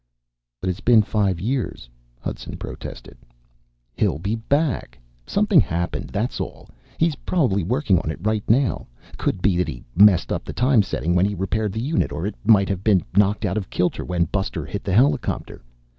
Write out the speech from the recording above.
"But it's been five years," Hudson protested. "He'll be back. Something happened, that's all. He's probably working on it right now. Could be that he messed up the time setting when he repaired the unit or it might have been knocked out of kilter when Buster hit the helicopter.